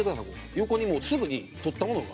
横に、すぐに撮ったものが。